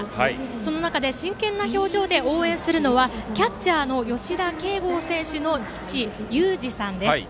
その中で、真剣な表情で応援するのはキャッチャーの吉田慶剛選手の父ゆうじさんです。